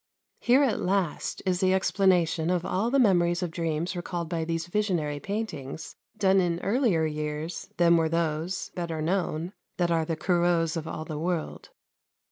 Here, at last, is the explanation of all the memories of dreams recalled by these visionary paintings, done in earlier years than were those, better known, that are the Corots of all the world.